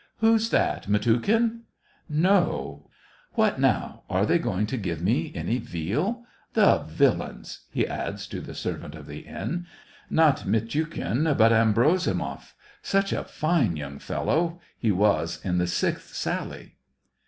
" Who's that } Mitiukhin }" "No !... What now, are they going to give me any veal ? the villains !" he adds to the servant of the inn. " Not Mitiukhin, but Abrosi moff. Such a fine young fellow !— he was in the sixth sally."